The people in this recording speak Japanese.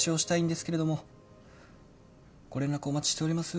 ご連絡お待ちしております。